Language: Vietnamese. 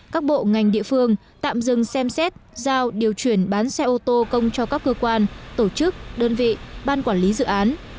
các bộ ngành địa phương tạm dừng xem xét giao điều chuyển bán xe ô tô công cho các cơ quan tổ chức đơn vị ban quản lý dự án